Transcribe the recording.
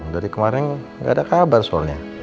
dari kemarin nggak ada kabar soalnya